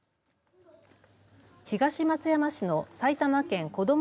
東松山市の埼玉県こども